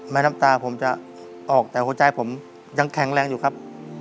น้ำตาผมจะออกแต่หัวใจผมยังแข็งแรงอยู่ครับ